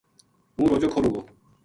ہوں روجو کھولوں گو